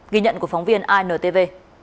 ghi nhận của phóng viên intv